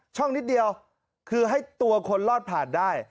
ช่องนิดเดียวคือให้ตัวคนรอดผ่านได้